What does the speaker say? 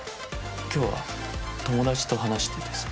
今日は友達と話しててさ。